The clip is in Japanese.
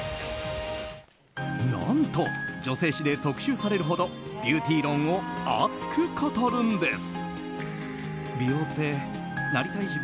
何と、女性誌で特集されるほどビューティー論を熱く語るんです。